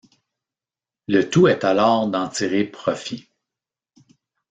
Le tout est alors d’en tirer profit.